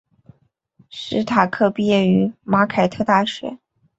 史塔克毕业于马凯特大学。